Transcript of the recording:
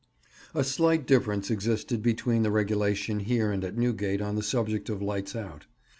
M.] A slight difference existed between the regulation here and at Newgate on the subject of "lights out."